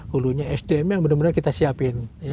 hulunya sdm yang benar benar kita siapin